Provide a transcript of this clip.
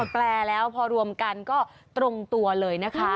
แปลแล้วพอรวมกันก็ตรงตัวเลยนะคะ